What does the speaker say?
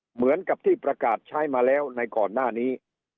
เหมือนกับที่ประกาศใช้มาแล้วในก่อนหน้านี้